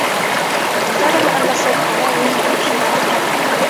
هل تعلم ان السلطعون يأكل الشراغف